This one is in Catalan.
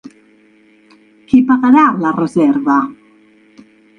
Qui pagarà la reserva?